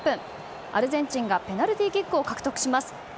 アルゼンチンがペナルティーキックを獲得します。